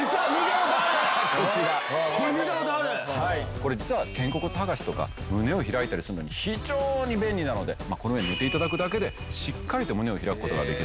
これ実は肩甲骨剥がしとか胸を開いたりするのに非常に便利なのでこの上に寝て頂くだけでしっかりと胸を開く事ができる。